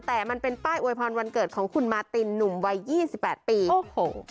แต่มันเป็นป้ายอวยพรวันเกิดของคุณมาตินหนุ่มวัยยี่สิบแปดปีโอ้โห